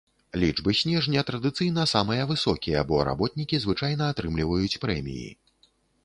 Лічбы снежня традыцыйна самыя высокія, бо работнікі звычайна атрымліваюць прэміі.